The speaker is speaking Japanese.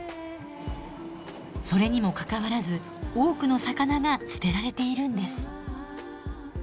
それにもかかわらず多くの魚が捨てられているんです。